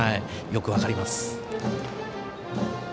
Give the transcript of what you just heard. よく分かります。